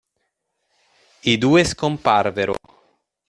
I due scomparvero.